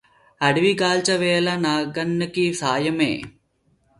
అడవి గాల్చు వేళ నగ్నికి సాయమై